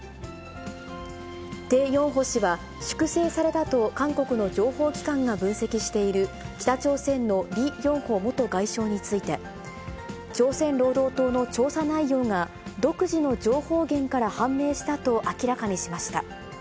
テ・ヨンホ氏は、粛清されたと韓国の情報機関が分析している、北朝鮮のリ・ヨンホ元外相について、朝鮮労働党の調査内容が独自の情報源から判明したと明らかにしました。